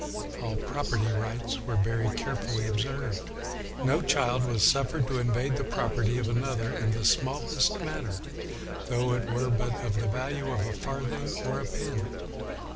All property rights were very carefully observed. No child was " suffered to invade the property of another in the smallest matter, though it were but of the value of a farthing, or a pin."